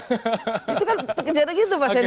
itu kan kejadiannya gitu pas ini